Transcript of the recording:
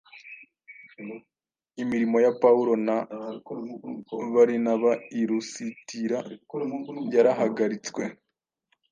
Imirimo ya Pawulo na Barinaba i Lusitira yarahagaritswe